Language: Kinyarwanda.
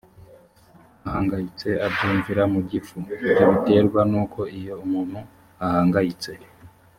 ahangayitse abyumvira mu gifu ibyo biterwa n uko iyo umuntu ahangayitse